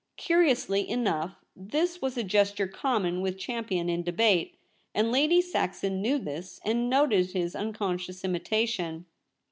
Curiously enough, this was a gesture common with Champion in debate, and Lady Saxon knew this and noted his unconscious imitation.